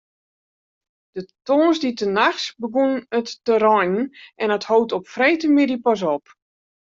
De tongersdeitenachts begûn it te reinen en dat hold op freedtemiddei pas op.